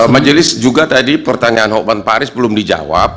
majelis juga tadi pertanyaan hokman paris belum dijawab